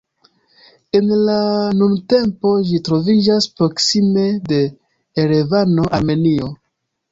En la nuntempo ĝi troviĝas proksime de Erevano, Armenio.